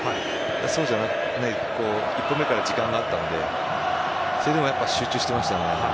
そうじゃなくて１本目から時間があったのでそれでも集中してました。